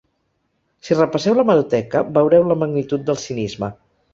Si repasseu l'hemeroteca, veureu la magnitud del cinisme.